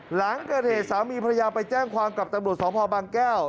หลังเกิดเหตุสามีภรรยาไปแจ้งความกับตำรวจสพบางแก้ว